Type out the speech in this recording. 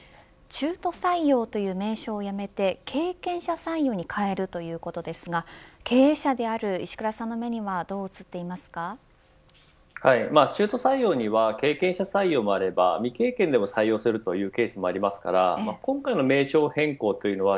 中途採用という名称をやめて経験者採用に変えるということですが経営者である石倉さんの目には中途採用には経験者採用もあれば未経験でも採用するというケースもありますから今回の名称変更というのは